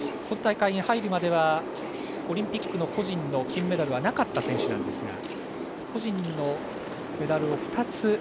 今大会に入るまではオリンピックの個人の金メダルはなかった選手なんですが個人のメダルを２つ。